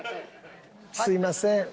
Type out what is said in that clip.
すみません。